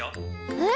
えっ？